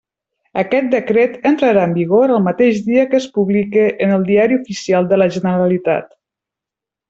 Aquest decret entrarà en vigor el mateix dia que es publique en el Diari Oficial de la Generalitat.